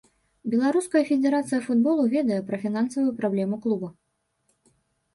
Беларуская федэрацыя футболу ведае пра фінансавую праблему клуба.